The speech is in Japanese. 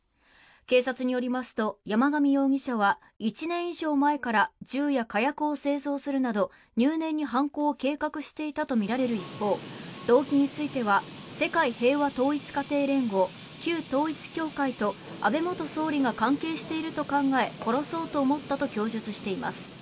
警察によりますと山上容疑者は１年以上前から銃や火薬を製造するなど入念に犯行を計画していたとみられる一方動機については世界平和統一家庭連合旧統一教会と安倍元総理が関係していると考え殺そうと思ったと供述しています。